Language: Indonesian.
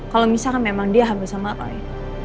kalau misalkan memang dia hamil sama roy